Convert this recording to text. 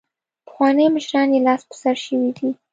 پخواني مشران یې لاس په سر شوي دي.